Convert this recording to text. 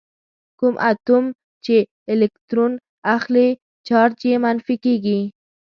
کوم اتوم چې الکترون اخلي چارج یې منفي کیږي.